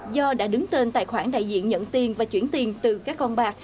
do đã đứng tên tài khoản đại diện nhận tiền và chuyển tiền từ các con bạc